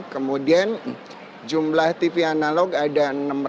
kemudian jumlah tv analog ada enam ratus sembilan puluh satu